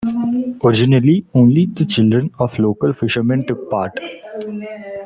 Originally only the children of local fishermen took part.